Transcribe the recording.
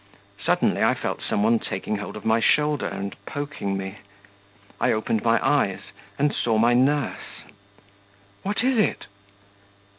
Suddenly I felt some one taking hold of my shoulder and poking me. I opened my eyes and saw my nurse. 'What is it?'